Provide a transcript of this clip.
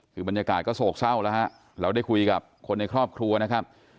คือบรรยากาศก็โศกเศร้าแล้วฮะเราได้คุยกับคนในครอบครัวนะครับ